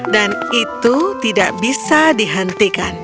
dan itu tidak bisa dihentikan